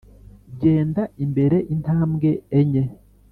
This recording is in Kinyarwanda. genda imbere intambwe enye.